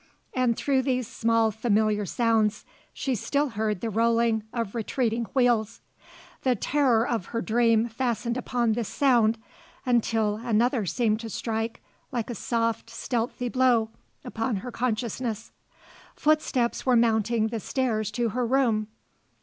And through these small, familiar sounds she still heard the rolling of retreating wheels. The terror of her dream fastened upon this sound until another seemed to strike, like a soft, stealthy blow, upon her consciousness. Footsteps were mounting the stairs to her room.